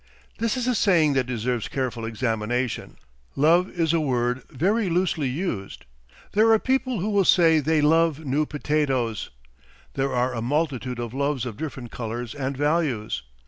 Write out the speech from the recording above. This is a saying that deserves careful examination. Love is a word very loosely used; there are people who will say they love new potatoes; there are a multitude of loves of different colours and values.